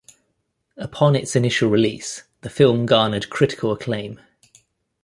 Upon its initial release, the film garnered critical acclaim.